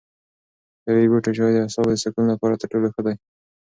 د طبیعي بوټو چای د اعصابو د سکون لپاره تر ټولو ښه دی.